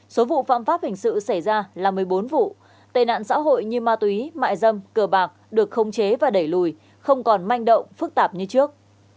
số vụ phạm pháp hình sự xảy ra là một mươi bốn vụ tên nạn xã hội như ma túy mại dâm cờ bạc được khống chế và đẩy lùi không còn manh động phức tạp như trước